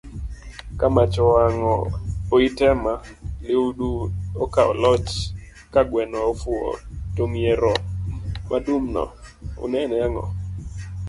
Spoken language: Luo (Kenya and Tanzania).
Ka mach owango oitema lihudu okao loch, kagweno ofuwo tongeiro madum no, unene ango?